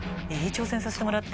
挑戦させてもらって。